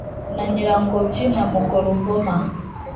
Na Nyirangobyi na Mugoruvoma,